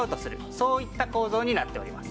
そういった構造になっております。